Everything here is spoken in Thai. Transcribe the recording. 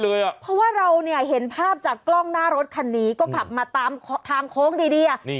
เพราะว่าเราเนี่ยเห็นภาพจากกล้องหน้ารถคันนี้ก็ขับมาตามทางโค้งดี